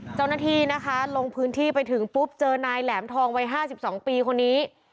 เจ้าหน้าที่นะคะลงพื้นที่ไปถึงปุ๊บเจอนายแหลมทองวัย๕๒ปีคนนี้